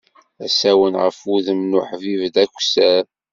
Asawen ɣef wudem n uḥbib, d akessar.